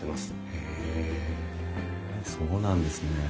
へえそうなんですね。